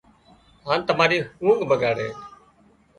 هان تماري اونگھ ٻڳاڙِي